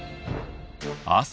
朝